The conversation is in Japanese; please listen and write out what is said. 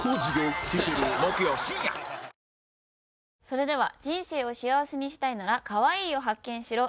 それでは「人生を幸せにしたいならカワイイを発見しろ！」。